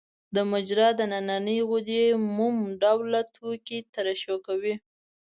د مجرا د نني غدې موم ډوله توکي ترشح کوي.